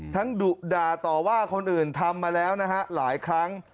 ดุด่าต่อว่าคนอื่นทำมาแล้วนะฮะหลายครั้ง